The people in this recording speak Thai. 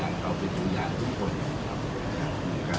ท่านมีความสุขวัสดีตัวสาหร่างบันทาทะศาสนาม๙๙๐๐๐ชาติ